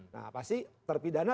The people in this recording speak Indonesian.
nah pasti terpidana